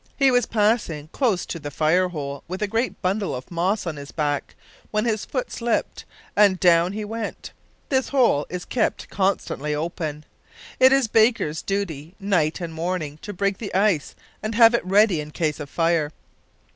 He was passing close to the fire hole with a great bundle of moss on his back, when his foot slipped, and down he went. This hole is kept constantly open. It is Baker's duty night and morning to break the ice and have it ready in case of fire.